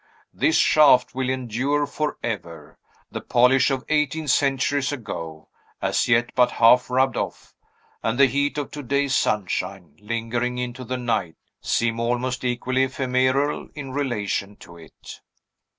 This shaft will endure forever. The polish of eighteen centuries ago, as yet but half rubbed off, and the heat of to day's sunshine, lingering into the night, seem almost equally ephemeral in relation to it."